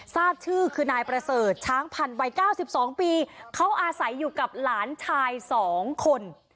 ทราบชื่อคือนายประเสริฐช้างพันธ์วัย๙๒ปีเขาอาศัยอยู่กับหลานชาย๒คน